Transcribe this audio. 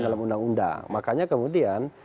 dalam undang undang makanya kemudian